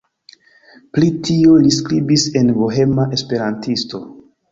Pri tio li skribis en "Bohema Esperantisto".